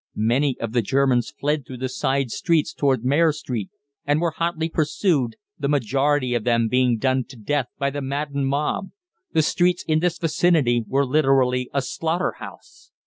Many of the Germans fled through the side streets towards Mare Street, and were hotly pursued, the majority of them being done to death by the maddened mob. The streets in this vicinity were literally a slaughterhouse.